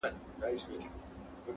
• جهاني-